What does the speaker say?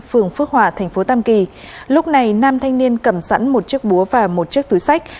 phường phước hòa thành phố tam kỳ lúc này nam thanh niên cầm sẵn một chiếc búa và một chiếc túi sách